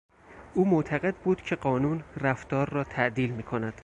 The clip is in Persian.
او معتقد بود که قانون رفتار را تعدیل می کند.